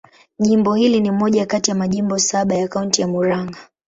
Jimbo hili ni moja kati ya majimbo saba ya Kaunti ya Murang'a.